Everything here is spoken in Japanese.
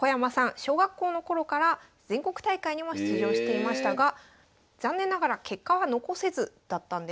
小学校の頃から全国大会にも出場していましたが残念ながら結果は残せずだったんです。